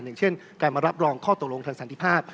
อย่างเช่นการมารับรองข้อตกลงทางสันติภาพ